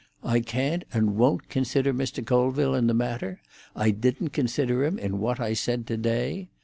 I can't and won't consider Mr. Colville in the matter; I didn't consider him in what I said to day.